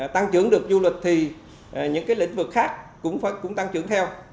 tăng trưởng được du lịch thì những lĩnh vực khác cũng tăng trưởng theo